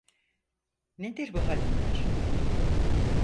Nedir bu hal Ömer?